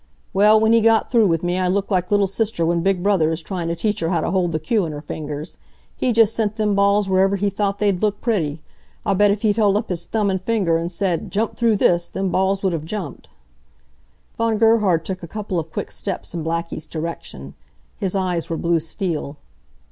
Well, w'en he got through with me I looked like little sister when big brother is tryin' t' teach her how to hold the cue in her fingers. He just sent them balls wherever he thought they'd look pretty. I bet if he'd held up his thumb and finger an' said, 'jump through this!' them balls would of jumped." Von Gerhard took a couple of quick steps in Blackie's direction. His eyes were blue steel.